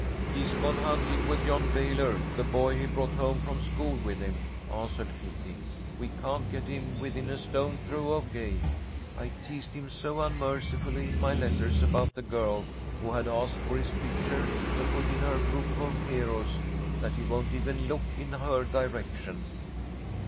"He's gone hunting with John Baylor, the boy he brought home from school with him," answered Kitty. "We can't get him within a stone's throw of Gay. I teased him so unmercifully in my letters about the girl who had asked for his picture to put in her group of heroes that he won't even look in her direction."